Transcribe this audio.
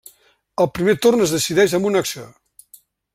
El primer torn es decideix amb una acció.